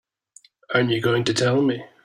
Aren't you going to tell me?